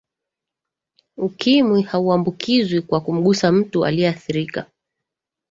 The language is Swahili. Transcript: ukimwi hauambukizwi kwa kumgusa mtu aliyeathirika